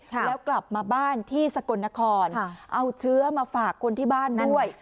แล้วกลับมาบ้านที่สกลนครเอาเชื้อมาฝากคนที่บ้านด้วย